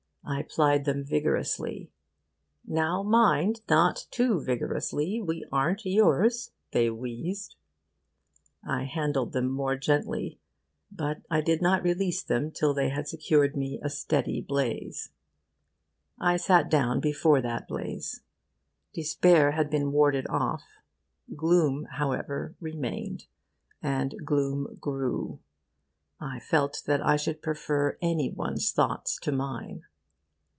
I plied them vigorously. 'Now mind! not too vigorously. We aren't yours!' they wheezed. I handled them more gently. But I did not release them till they had secured me a steady blaze. I sat down before that blaze. Despair had been warded off. Gloom, however, remained; and gloom grew. I felt that I should prefer any one's thoughts to mine.